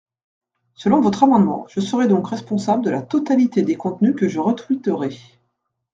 Selon votre amendement, je serais donc responsable de la totalité des contenus que je retweeterais.